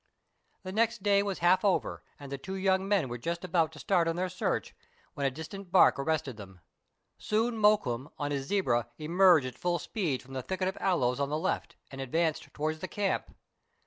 The next day was half over, and the two young men were just about to start on their search, when a distant bark arrested them. Soon Mokoum, on his zebra, emerged at full speed from the thicket of aloes on the left, and advanced towards the camp.